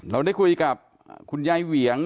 เราได้คุยกับคุณยายเหวียง